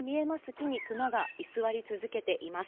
木にクマが居座り続けています。